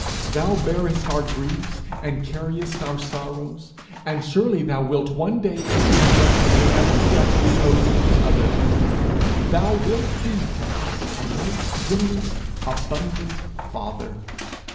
Thou bearest our griefs and carriest our sorrows; and surely thou wilt one day enable us to pay every debt we owe to each other! Thou wilt be to us a right generous, abundant father!